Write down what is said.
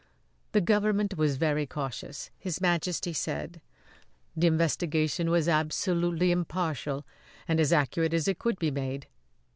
"The government was very cautious," His Majesty said. "The investigation was absolutely impartial and as accurate as it could be made.